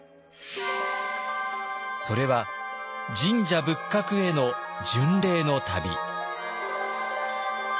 それは神社仏閣への巡礼の旅。